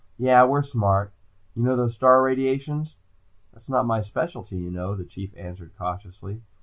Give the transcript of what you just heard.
Yeah, we're smart. You know those star radiations?" "That's not my specialty, you know," the Chief answered cautiously.